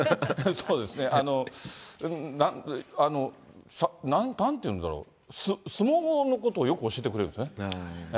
そうですね、なんて言うんだろう、相撲のことをよく教えてくれるんですね。